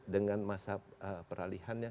dengan masa peralihannya